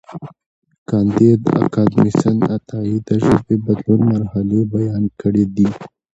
کانديد اکاډميسن عطايي د ژبې د بدلون مرحلې بیان کړې دي.